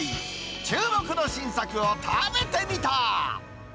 注目の新作を食べてみた。